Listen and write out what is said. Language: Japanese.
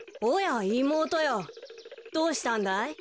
おやいもうとよどうしたんだい？